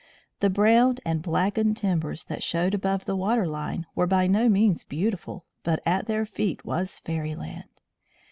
The browned and blackened timbers that showed above the water line were by no means beautiful, but at their feet was fairyland.